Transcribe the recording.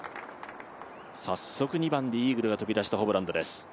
早速２番でイーグルが飛び出したホブランドです。